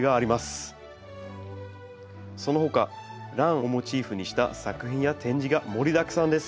そのほかランをモチーフにした作品や展示が盛りだくさんです。